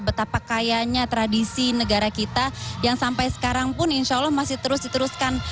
betapa kayanya tradisi negara kita yang sampai sekarang pun insya allah masih terus diteruskan